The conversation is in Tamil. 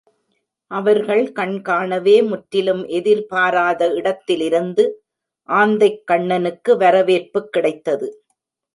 அவர்கள் கண் காணவே முற்றிலும் எதிர்பாராத இடத்திலிருந்து ஆந்தைக்கண்ணனுக்கு வரவேற்புக் கிடைத்தது.